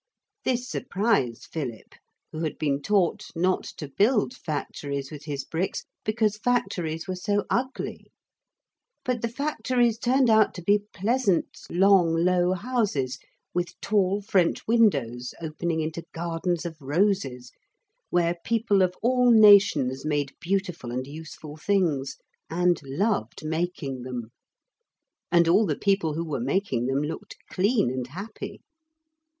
This surprised Philip, who had been taught not to build factories with his bricks because factories were so ugly, but the factories turned out to be pleasant, long, low houses, with tall French windows opening into gardens of roses, where people of all nations made beautiful and useful things, and loved making them. And all the people who were making them looked clean and happy.